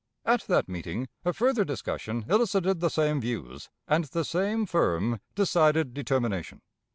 At that meeting a further discussion elicited the same views, and the same firm, decided determination.